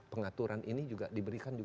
pengaturan ini juga diberikan